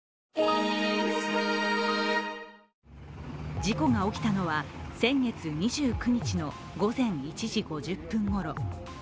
事故が起きたのは先月２９日の午前１時５０分ごろ。